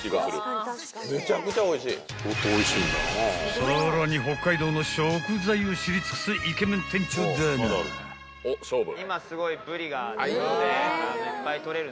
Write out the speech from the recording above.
［さらに北海道の食材を知り尽くすイケメン店長だが］